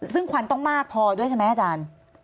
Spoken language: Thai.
ซึ่งควันต้องมากพอด้วยใช่ไหมอาจารย์